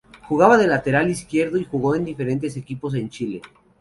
Jugaba de lateral izquierdo y jugó en diferentes equipos en Chile.